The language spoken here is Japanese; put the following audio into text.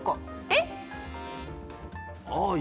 えっ？